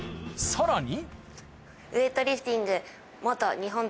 さらに